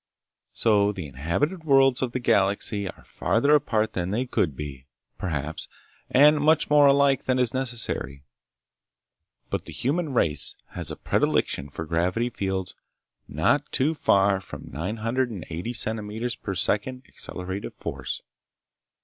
So the inhabited worlds of the galaxy are farther apart than they could be, perhaps, and much more alike than is necessary. But the human race has a predilection for gravity fields not too far from 980cm sec accellerative force.